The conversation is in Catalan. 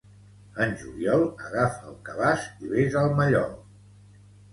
En juliol, agafa el cabàs i ves al mallol.